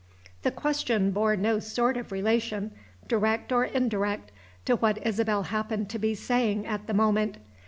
The question bore no sort of relation, direct or indirect, to what Isabel happened to be saying at the moment.